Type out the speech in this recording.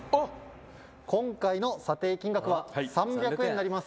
今回の査定金額は３００円になります。